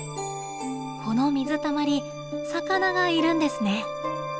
この水たまり魚がいるんですね。